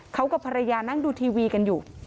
เขากับภรรยานั่งดูทีวีกันอยู่